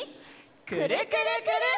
「くるくるくるっ」！